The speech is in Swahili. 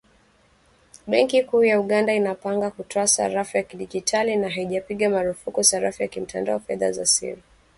Benki kuu ya Uganda inapanga kutoa sarafu ya kidigitali, na haijapiga marufuku sarafu ya kimtandao “fedha za siri."